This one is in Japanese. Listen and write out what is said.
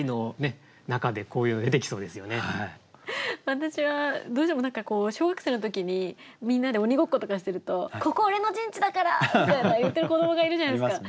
私はどうしても何かこう小学生の時にみんなで鬼ごっことかしてると「ここ俺の陣地だから！」みたいな言ってる子どもがいるじゃないですか。